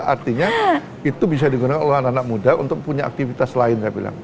artinya itu bisa digunakan oleh anak anak muda untuk punya aktivitas lain saya bilang